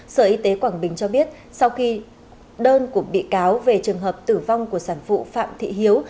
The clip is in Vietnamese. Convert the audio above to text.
sở y tế quảng bình cho biết sau khi đơn của bị cáo về trường hợp tử vong của sản phụ phạm thị hiếu